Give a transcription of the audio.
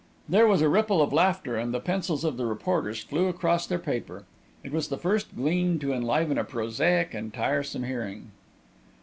'" There was a ripple of laughter and the pencils of the reporters flew across their paper. It was the first gleam to enliven a prosaic and tiresome hearing.